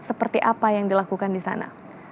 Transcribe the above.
seperti apa yang dilakukan disana